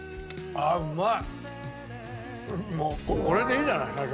あっうまい！